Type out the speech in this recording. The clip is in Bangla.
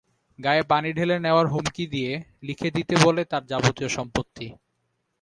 গায়ে পানি ঢেলে দেওয়ার হুমকি দিয়ে লিখে দিতে বলে তাঁর যাবতীয় সম্পত্তি।